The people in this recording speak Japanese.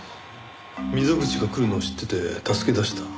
溝口が来るのを知ってて助け出した？